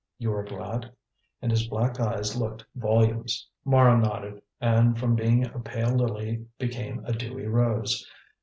You are glad?" and his black eyes looked volumes. Mara nodded, and from being a pale lily became a dewy rose.